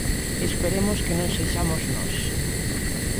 Esperemos que non sexamos nós.